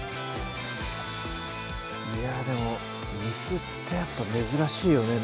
いやでも簾ってやっぱ珍しいよね